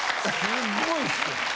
すごいんすよ。